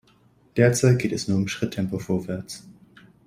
Derzeit geht es nur im Schritttempo vorwärts.